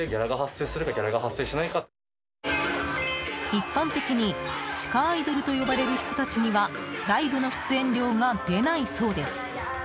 一般的に、地下アイドルと呼ばれる人たちにはライブの出演料が出ないそうです。